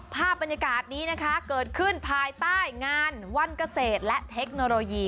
ภาพบรรยากาศนี้นะคะเกิดขึ้นภายใต้งานวันเกษตรและเทคโนโลยี